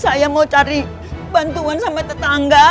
saya mau cari bantuan sama tetangga